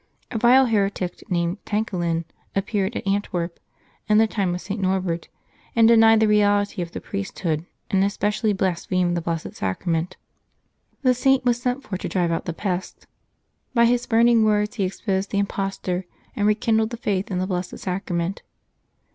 A vile heretic, named Tankelin, appeared at Antwerp, in the time of St. Norbert, and denied the reality of the priesthood, and especially blasphemed the Blessed Eucharist. The Saint was sent for to drive out the pest. By his burning words he ex posed the impostor and rekindled the faith in the Blessed Sacrament.